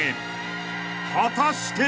［果たして？］